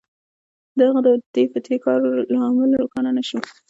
د هغه د دې فطري کار لامل روښانه نه شو